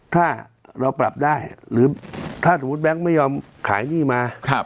ถ้าเราปรับได้หรือถ้าสมมุติแบงค์ไม่ยอมขายหนี้มา